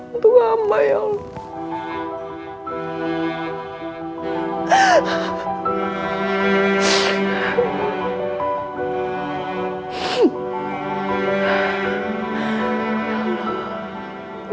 untuk hamba ya allah